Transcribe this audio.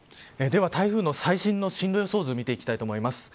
では台風の最新の進路予想図を見ていきたいと思います。